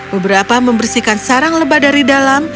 beberapa membersihkan sarang lebah dari dalam